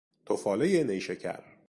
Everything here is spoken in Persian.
تفالهی نیشکر